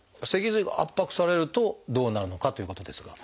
脊髄が圧迫されるとどうなるのかということですが。